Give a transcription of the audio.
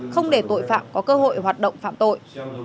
không để tội phạm có cơ hội hoạt động phạm tội